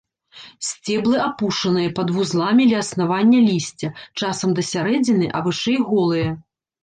Сцеблы апушаныя пад вузламі ля аснавання лісця, часам да сярэдзіны, а вышэй голыя.